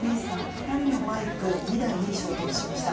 ２人のバイク２台に衝突しました。